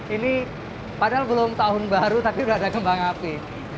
ini padahal belum tahun baru tapi sudah ada kembang api